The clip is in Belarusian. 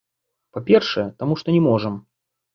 Па-першае, таму што не можам.